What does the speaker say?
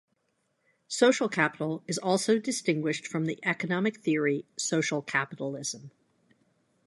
Social capital is also distinguished from the economic theory social capitalism.